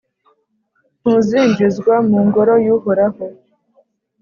ntuzinjizwa mu Ngoro y’Uhoraho.